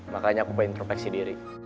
makanya aku pengen terpeksi diri